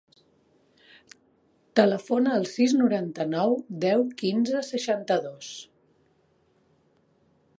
Telefona al sis, noranta-nou, deu, quinze, seixanta-dos.